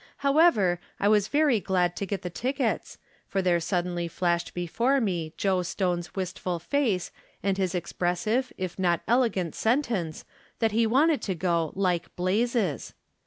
How ever, I was very glad to get the tickets, for there suddenly flashed before me Joe Stone's wistful face and his expressive, if not elegant sentence, that he wanted to go "like blazes